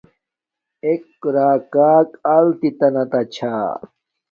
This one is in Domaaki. ایک راکاک التت تا نا چھا